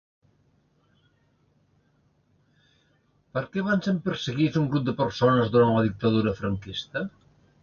Per què van ser perseguits un grup de persones durant la dictadura franquista?